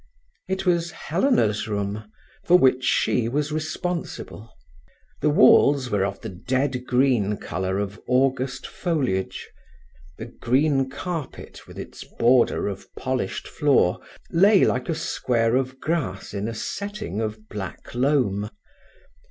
It was Helena's room, for which she was responsible. The walls were of the dead green colour of August foliage; the green carpet, with its border of polished floor, lay like a square of grass in a setting of black loam.